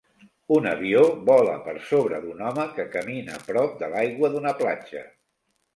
Un avió vola per sobre d'un home que camina prop de l'aigua d'una platja.